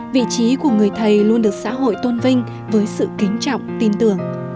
vị trí của người thầy luôn được xã hội tôn vinh với sự kính trọng tin tưởng